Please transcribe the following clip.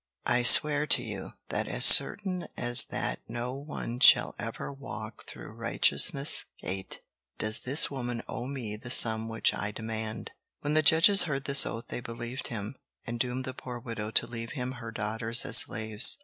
I swear to you that as certain as that no one shall ever walk through Righteousness' Gate does this woman owe me the sum which I demand." When the judges heard this oath they believed him, and doomed the poor widow to leave him her daughters as slaves.